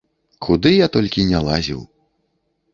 Куды я толькі не лазіў.